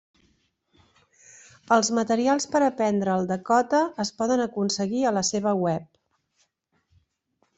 Els materials per aprendre el dakota es poden aconseguir a la seva web.